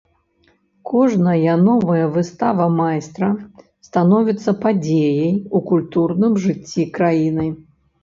Кожная новая выстава майстра становіцца падзеяй у культурным жыцці краіны.